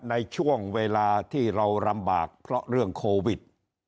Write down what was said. ในช่วงเวลาที่เราลำบากเพราะเรื่องโควิด